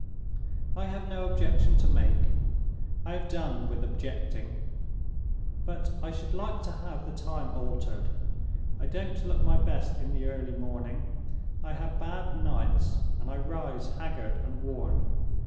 "I have no objection to make; I have done with objecting. But I should like to have the time altered. I don't look my best in the early morning— I have bad nights, and I rise haggard and worn.